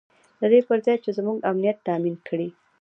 د دې پر ځای چې زموږ امنیت تامین کړي.